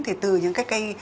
thì từ những cái cây